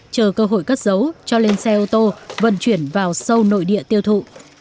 chờ cơ hội cất giấu cho lên xe ô tô vận chuyển vào sâu nội địa tiêu thụ